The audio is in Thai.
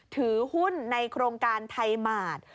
ถือหุ้นในโครงการไทยหมาด